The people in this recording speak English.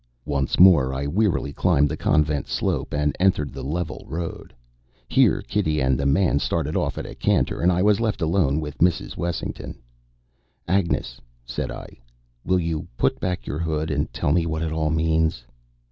Once more I wearily climbed the Convent slope and entered the level road. Here Kitty and the man started off at a canter, and I was left alone with Mrs. Wessington. "Agnes," said I, "will you put back your hood and tell me what it all means?"